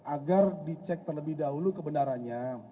agar dicek terlebih dahulu kebenarannya